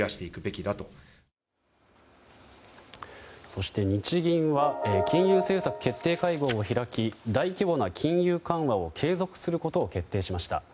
そして日銀は金融政策決定会合を開き大規模な金融緩和を継続することを決定しました。